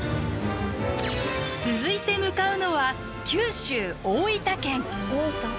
続いて向かうのは九州大分県。